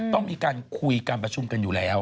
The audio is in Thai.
ต้องมีการคุยการประชุมกันอยู่แล้ว